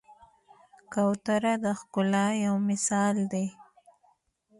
کوتره د ښکلا یو مثال دی.